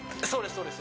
そうです